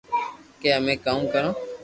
ڪي امي ڪاو ڪرو